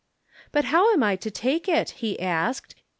'But how am I to take it?' he asked.